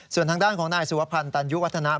ส่วนทางด้านของนายสุวพันธ์ตันยุวัฒนะ